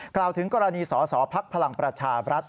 กล่าวถึงกรณีสอสอภักดิ์พลังประชาบรัฐ